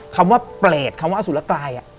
คำว่าเปรตคำว่าสุรกาย